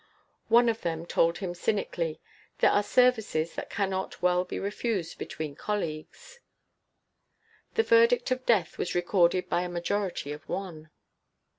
One of them told him cynically: "There are services that cannot well be refused between colleagues." The verdict of death was recorded by a majority of one.